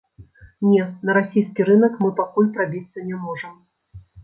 Не, на расійскі рынак мы пакуль прабіцца не можам.